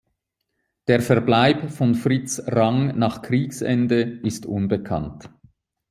Der Verbleib von Fritz Rang nach Kriegsende ist unbekannt.